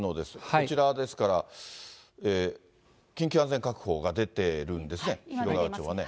こちらはですから、緊急安全確保が出てるんですね、広川町は。